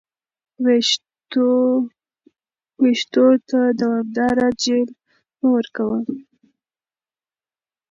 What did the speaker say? ویښتو ته دوامداره جیل مه ورکوه.